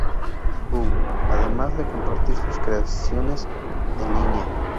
U", además de compartir sus creaciones en línea.